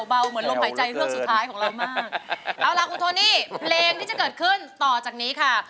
เอาล่ะคุณโทนี่เพลงที่จะเกิดขึ้นต่อจากนี้ค่ะ